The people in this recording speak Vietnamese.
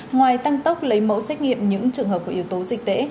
ngoài tăng tốc lấy mẫu xét nghiệm những trường hợp có yếu tố dịch tễ